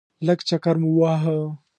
لږ چکر مو وواهه.